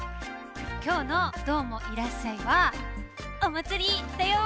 きょうの「どーもいらっしゃい！」はおまつりだよ！